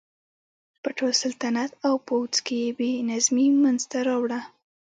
په ټول سلطنت او پوځ کې یې بې نظمي منځته راوړه.